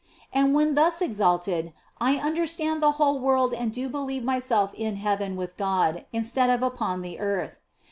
And when thus exalted I under stand the whole world and do believe myself in heaven with God instead of upon the earth.